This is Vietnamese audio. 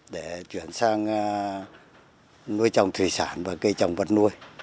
để chuyển sang nuôi trồng thủy sản và cây trồng vật nuôi